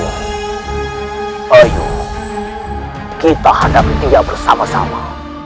ayo kita hadapi dia bersama sama